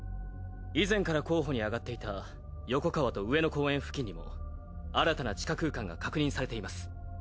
以前から候補にあがっていた横川と上野公園付近にも新たな地下空間が確認されています。